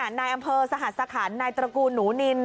ในนายอำเภอสหรัฐสถานในตระกูลหนูนิน